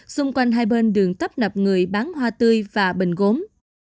xung quanh hai bên đường tấp nập người bán hoa tươi và bình gốm